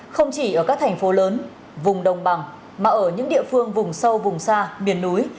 không chỉ ở các thành phố lớn vùng đồng bằng mà ở những địa phương vùng sâu vùng xa miền núi